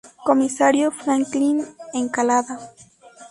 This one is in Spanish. Comisario: Franklin Encalada